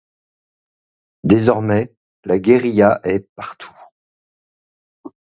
Désormais la guérilla est partout.